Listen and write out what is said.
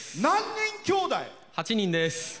８人です。